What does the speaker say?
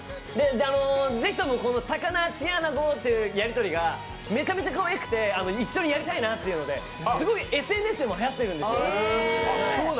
ぜひとも、さかなー、チンアナゴっていうやりとりがめちゃめちゃかわいくて、一緒にやりたいなというので、すごいＳＮＳでもはやってるんですよ